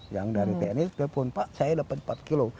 yang dari tni sudah pun pak saya dapat empat kilo